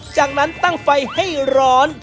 จากนั้นตั้งไฟให้ร้อน